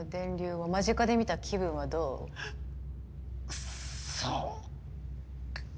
くっそ！